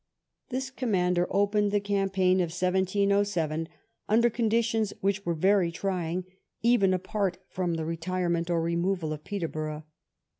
This commander opened the 256 RAMILLIES AKD ALMANZA campaign of 1707 under conditions which were very trying, even apart from the retirement or removal of Peterborough.